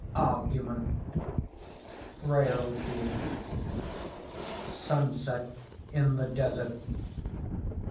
ARGUMENT FRAILTY Sunset in the desert.